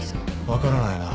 分からないな。